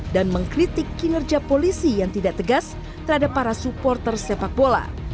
dan mengkritik kinerja polisi yang tidak tegas terhadap para supporter sepak bola